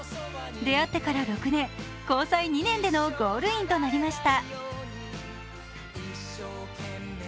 出会ってから６年、交際２年でのゴールインとなりました。